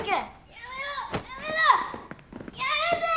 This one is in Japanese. やめてぇ！